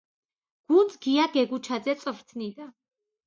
გუნდს გია გეგუჩაძე წვრთნიდა.